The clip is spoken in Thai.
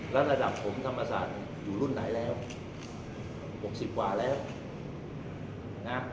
แล้วระดับผมธรรมศาสตร์อยู่รุ่นไหนแล้ว๖๐กว่าแล้วนะ